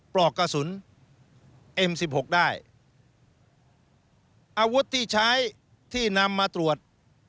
ปลอกกระสุนเอ็มสิบหกได้อาวุธที่ใช้ที่นำมาตรวจ